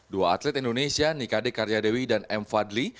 dua atlet indonesia nikade karyadewi dan m fadli